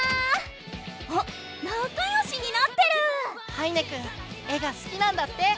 羽稲くん絵がすきなんだって！